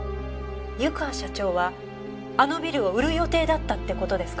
湯川社長はあのビルを売る予定だったって事ですか？